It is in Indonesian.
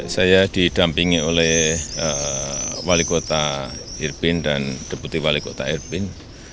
saya didampingi oleh wali kota irpin dan deputi wali kota irpin